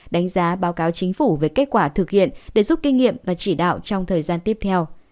đánh giá báo cáo chính phủ về kết quả thực hiện để giúp kinh nghiệm và chỉ đạo trong thời gian tiếp theo